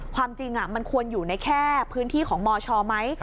ความจริงมันควรอยู่ในแค่พื้นที่ของมชไหม